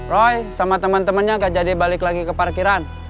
roy sama teman temannya gak jadi balik lagi ke parkiran